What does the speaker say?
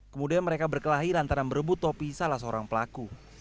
kemudian mereka berkelahi lantaran berebut topi salah seorang pelaku